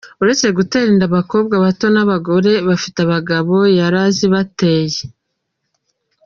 Uretse gutera inda abakobwa bato n’abagore bafite abagabo yarazibateye.